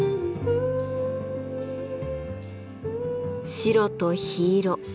白と火色。